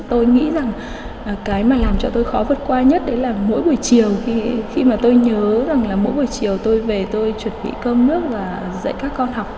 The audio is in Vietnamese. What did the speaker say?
tôi khó vượt qua nhất đấy là mỗi buổi chiều khi mà tôi nhớ rằng là mỗi buổi chiều tôi về tôi chuẩn bị cơm nước và dạy các con học